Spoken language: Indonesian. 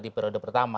ini periode pertama